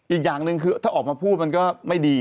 อีกอย่างหนึ่งคือถ้าออกมาพูดมันก็ไม่ดี